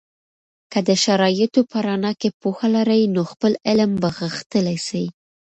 که د شرایطو په رڼا کې پوهه لرئ، نو خپل علم به غښتلی سي.